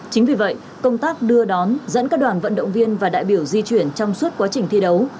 chính vì vậy công tác đưa đón dẫn các đoàn vận động viên và đại biểu di chuyển trong suốt quá trình thi đấu